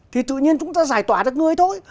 thì tự nhiên chúng ta giải tỏa được người thôi